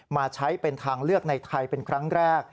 มาใช้เป็นทางเลือกในไทยเป็นครั้งแรก